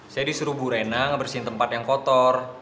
saya disuruh bu rena ngebersihin tempat yang kotor